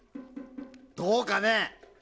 どうかね。